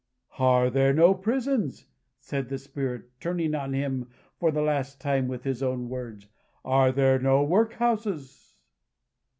"Are there no prisons?" said the Spirit, turning on him for the last time with his own words. "Are there no work houses?"